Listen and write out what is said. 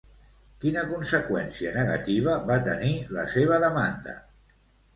Quina conseqüència negativa va tenir la seva demanda?